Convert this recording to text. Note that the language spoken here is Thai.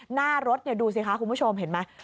หน้ารถดูสิคะคุณผู้ชมเห็นไหม